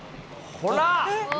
ほら。